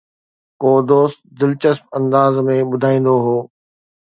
ڪو دوست دلچسپ انداز ۾ ٻڌائيندو هو